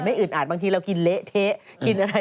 ไม่อึดอาจบางทีเรากินเละเท๊ะ